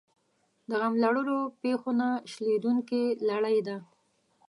د غم لړلو پېښو نه شلېدونکې لړۍ ده.